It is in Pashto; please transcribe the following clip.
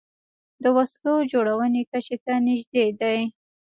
د وسلو جوړونې کچې ته نژدې دي